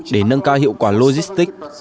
để nâng cao hiệu quả logistic